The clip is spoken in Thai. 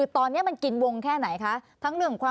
ตอนนี้มันกินวงแค่ไหนคะ